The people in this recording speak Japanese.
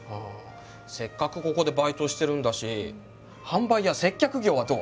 せっかくここでバイトしてるんだし販売や接客業はどう？